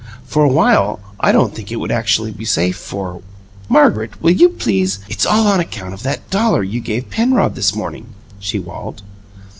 For a while I don't think it would be actually SAFE for " "Margaret, will you please " "It's all on account of that dollar you gave Penrod this morning," she walled.